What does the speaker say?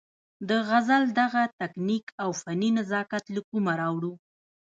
د غزل دغه تکنيک او فني نزاکت له کومه راوړو-